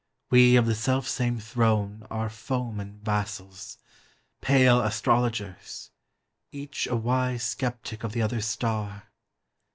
We of the selfsame throne Are foeman vassals; pale astrologers, Each a wise sceptic of the other's star.